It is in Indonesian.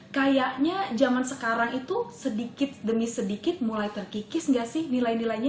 kayaknya zaman sekarang itu sedikit demi sedikit mulai terkikis gak sih nilai nilainya